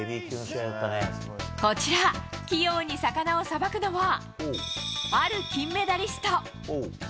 こちら、器用に魚をさばくのはある金メダリスト。